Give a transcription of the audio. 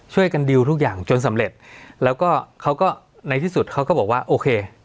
ดิวทุกอย่างจนสำเร็จแล้วก็เขาก็ในที่สุดเขาก็บอกว่าโอเค